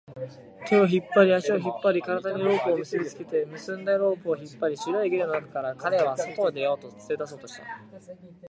手を引っ張り、足を引っ張り、体にロープを結びつけて、結んだロープを引っ張り、白いゲルの中から彼を外に連れ出そうとした